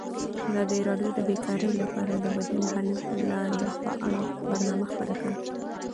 ازادي راډیو د بیکاري لپاره د بدیل حل لارې په اړه برنامه خپاره کړې.